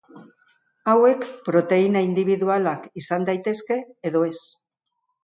Hauek proteina indibidualak izan daitezke edo ez.